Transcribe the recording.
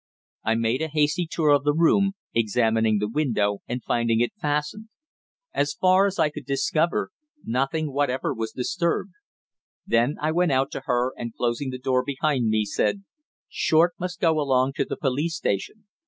I made a hasty tour of the room, examining the window and finding it fastened. As far as I could discover, nothing whatever was disturbed. Then I went out to her and, closing the door behind me, said "Short must go along to the police station.